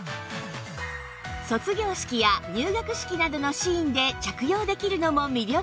卒業式や入学式などのシーンで着用できるのも魅力